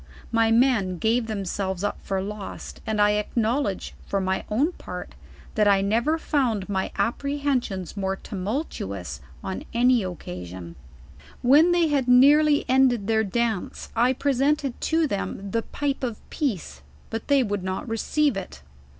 My men gave them selves up for lost, and I ackiowledge, fur my own part, that I never found my apprehensions more tumultuous on any oc casion. u When they had nearly ended their dance, I presented to them the pipe of peace, but they would not receive it.